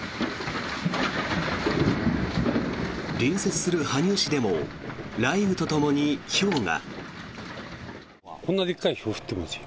隣接する羽生市でも雷雨とともに、ひょうが。